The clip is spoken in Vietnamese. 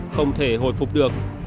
không thể hồi phục được